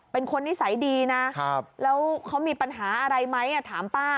เป็นคนนิสัยดีนะแล้วเขามีปัญหาอะไรไหมถามป้า